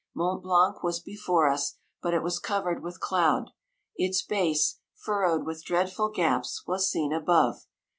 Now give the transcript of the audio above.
Mont Blanc was be fore us, but it was covered with cloud; its base, furrowed with dreadful gaps, was seen above.